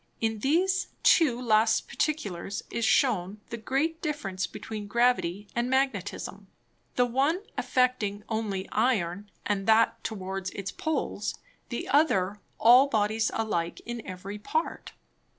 In these two last Particulars, is shewn the great difference between Gravity and Magnetism, the one affecting only Iron, and that towards its Poles, the other all Bodies alike in every part.